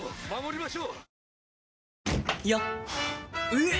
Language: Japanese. えっ！